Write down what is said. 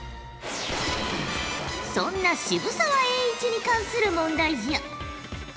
そんな渋沢栄一に関する問題じゃ。